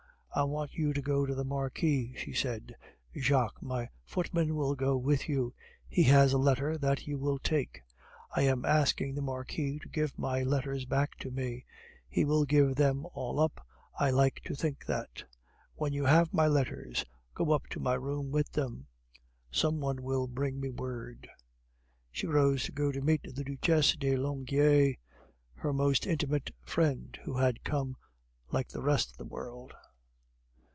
"I want you to go to the Marquis," she said. "Jacques, my footman, will go with you; he has a letter that you will take. I am asking the Marquis to give my letters back to me. He will give them all up, I like to think that. When you have my letters, go up to my room with them. Some one shall bring me word." She rose to go to meet the Duchesse de Langeais, her most intimate friend, who had come like the rest of the world.